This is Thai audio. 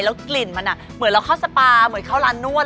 กลิ่นมันเหมือนเราเข้าสปาเหมือนเข้าร้านนวด